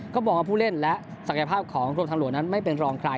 ก็บอกว่าผู้เล่นและศักยภาพของกรมทางหลวงนั้นไม่เป็นรองใคร